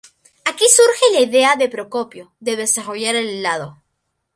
Aquí surge la idea de Procopio de desarrollar el helado.